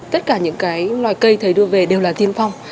tất cả những cái loài cây thấy đưa về đều là tiên phong